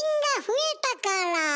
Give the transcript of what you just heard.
え。